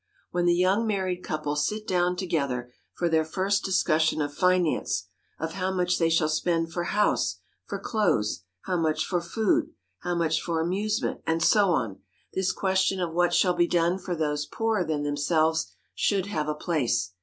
When the young married couple sit down together for their first discussion of finance, of how much they shall spend for house, for clothes, how much for food, how much for amusement and so on, this question of what shall be done for those poorer than themselves should have a place.